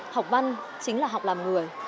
học văn chính là học làm người